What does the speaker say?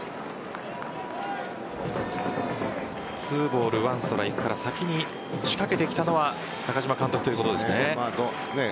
２ボール１ストライクから先に仕掛けてきたのは中嶋監督ということですね。